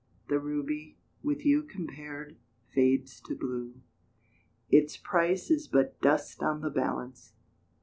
The ruby, with you Compared, fades to blue Its price is but dust on the balance.